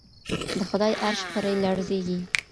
د خدای عرش پرې لړزیږي.